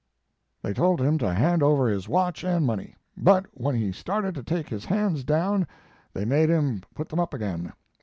"They told him to hand over his watch and money; but when he started to take his hands down they made him put them up again.